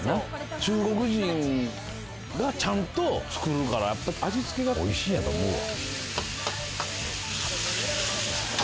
中国人がちゃんと作るから、やっぱり味つけがおいしいんやと思うわ。